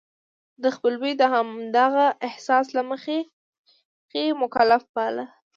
د خپلوی د همدغه احساس له مخې مکلف باله.